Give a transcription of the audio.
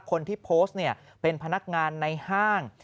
คนที่โพสต์เนี่ยเป็นพนักงานในห้าง